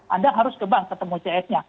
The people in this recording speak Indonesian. anda harus ke bank ketemu cs nya